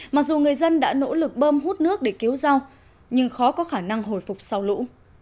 mặc dù người dân đã nỗ lực bơm hút nước để cứu rau nhưng khó có khả năng hồi phục sau lũ